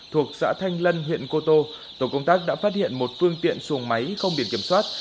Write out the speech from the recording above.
thuộc xã thanh lân huyện cô tô tổng công tác đã phát hiện một phương tiện xuồng máy không biển kiểm soát